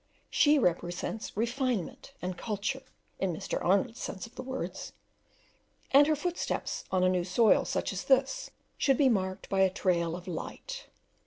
She represents refinement and culture (in Mr. Arnold's sense of the words), and her footsteps on a new soil such as this should be marked by a trail of light.